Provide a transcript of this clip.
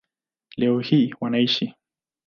Leo hii wanaishi